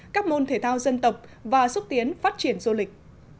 các môn thể thao dân tộc và xúc tiến phát triển du lịch